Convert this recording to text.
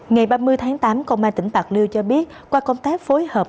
ngày ba mươi tháng tám công an tỉnh bạc liêu cho biết qua công tác phối hợp